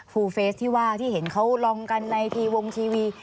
ูเฟสที่ว่าที่เห็นเขาลองกันในทีวงทีวี